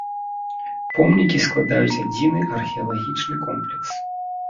Помнікі складаюць адзіны археалагічны комплекс.